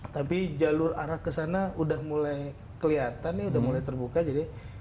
tapi jalur arah kesana udah mulai terlihat tuh sudah mulai terbuka jadi